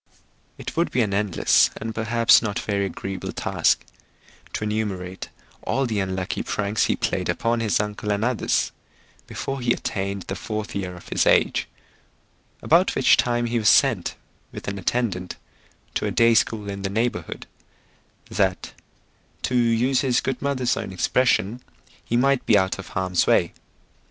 It would be an endless and perhaps no very agreeable task, to enumerate all the unlucky pranks he played upon his uncle and others, before he attained the fourth year of his age; about which time he was sent, with an attendant, to a day school in the neighbourhood, that (to use his good mother's own expression) he might be out of harm's way.